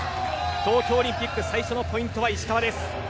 東京オリンピック最初のポイントは石川です。